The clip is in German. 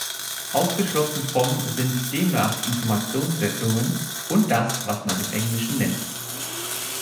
Ausgeschlossen vom sind demnach Informationssendungen und das, was man im Englischen nennt.